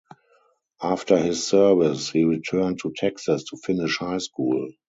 After his service, he returned to Texas to finish high school.